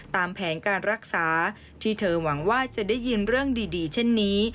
ตามแผนการรักษาที่เธอหวังว่าจะได้ยินเรื่องดีเช่นนี้